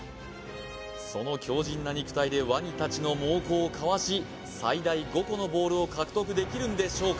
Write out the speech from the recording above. その強靱な肉体でワニ達の猛攻をかわし最大５個のボールを獲得できるんでしょうか？